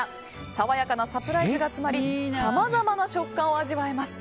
爽やかなサプライズが詰まりさまざまな食感を味わえます。